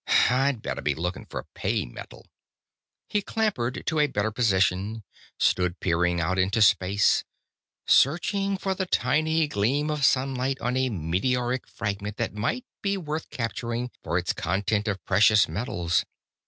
I'd better be looking for pay metal!" He clambered to a better position; stood peering out into space, searching for the tiny gleam of sunlight on a meteoric fragment that might be worth capturing for its content of precious metals.